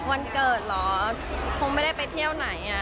วันเกิดเหรอคงไม่ได้ไปเที่ยวไหน